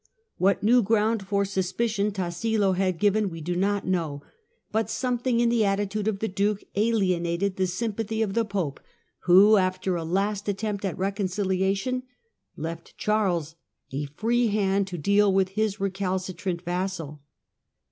What new ground for suspicion Tassilo had given we do not know, but something in the attitude of the duke alienated the sympathy of the Pope, who, after a last attempt at reconciliation, left Charles a free hand to deal with his recalcitrant vassal.